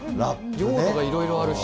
用途がいろいろあるし。